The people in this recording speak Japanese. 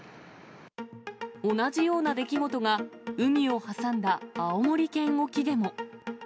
同じような出来事が、海を挟んだ青森県沖でも。